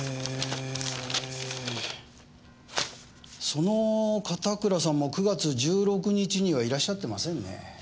その片倉さんも９月１６日にはいらっしゃってませんね。